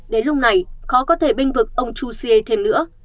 đến lúc này khó có thể binh vực ông chu xie thêm nữa